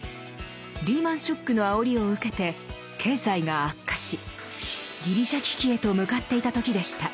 リーマンショックのあおりを受けて経済が悪化しギリシャ危機へと向かっていた時でした。